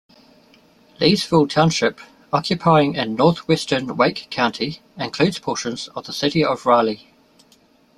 Leesville Township, occupying in northwestern Wake County, includes portions of the city of Raleigh.